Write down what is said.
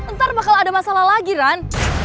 ntar bakal ada masalah lagi kan